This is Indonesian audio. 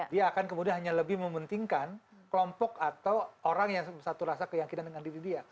dia akan kemudian hanya lebih mementingkan kelompok atau orang yang satu rasa keyakinan dengan diri dia